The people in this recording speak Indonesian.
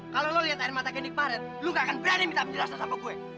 kalau lu liat air mata candy kemarin lu gak akan berani minta perasaan sama gue